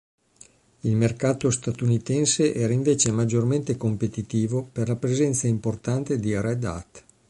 Il mercato statunitense era invece maggiormente competitivo per la presenza importante di Red Hat.